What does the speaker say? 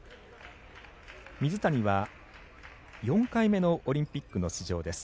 水谷は４回目のオリンピックの出場です。